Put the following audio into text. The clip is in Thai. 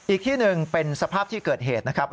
อีกที่หนึ่งเป็นสภาพที่เกิดเหตุนะครับ